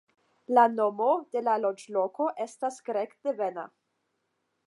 La nomo de la loĝloko estas grek-devena.